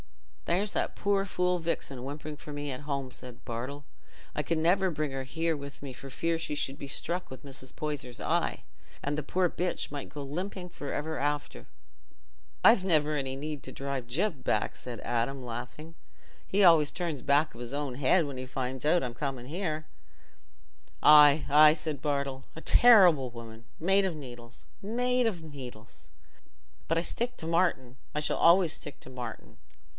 "There's that poor fool, Vixen, whimpering for me at home," said Bartle. "I can never bring her here with me for fear she should be struck with Mrs. Poyser's eye, and the poor bitch might go limping for ever after." "I've never any need to drive Gyp back," said Adam, laughing. "He always turns back of his own head when he finds out I'm coming here." "Aye, aye," said Bartle. "A terrible woman!—made of needles, made of needles. But I stick to Martin—I shall always stick to Martin.